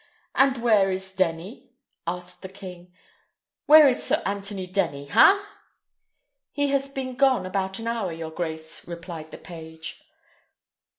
"And where is Denny?" asked the king. "Where is Sir Anthony Denny, ha?" "He has been gone about an hour, your grace," replied the page.